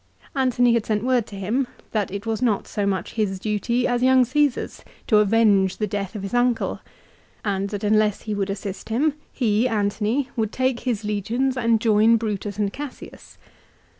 Antony had sent word to him that it was not so much his duty as young Caesar's to avenge the death of his uncle, and that unless he would assist him, he, Antony, would take his legions and join Brutus and Cassius.